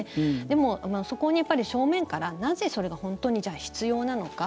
でも、そこに正面からなぜ、それが本当に必要なのか